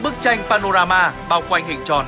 bức tranh panorama bao quanh hình tròn